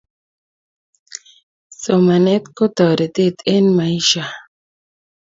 Somanet ko toretet eng maisha